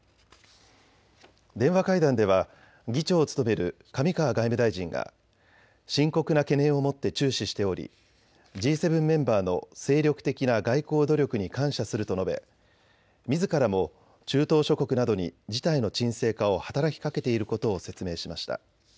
電話会談では議長を務める上川外務大臣が深刻な懸念を持って注視しており、Ｇ７メンバーの精力的な外交努力に感謝すると述べみずからも中東諸国などに事態の沈静化を働きかけていることを説明しました。